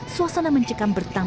suasana mencekam bertambah